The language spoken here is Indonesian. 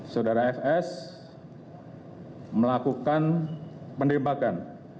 saudara fs melakukan penembakan